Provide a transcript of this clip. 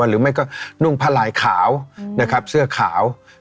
หรือไม่ก็หนุ่งผ้าลายขาวเสื้อขาว